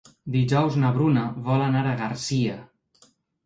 Dijous na Bruna vol anar a Garcia.